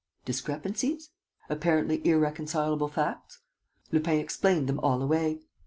Discrepancies? Apparently irreconcilable facts? Lupin explained them all away.